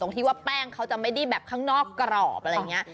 ที่ว่าแป้งเขาจะไม่ได้แบบข้างนอกกรอบอะไรอย่างนี้